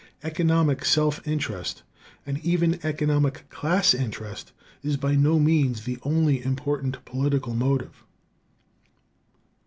Economic self interest, and even economic class interest, is by no means the only important political motive.